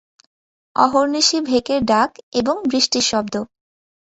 অহর্নিশি ভেকের ডাক এবং বৃষ্টির শব্দ।